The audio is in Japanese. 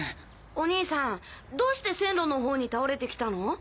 お兄さんどうして線路のほうに倒れてきたの？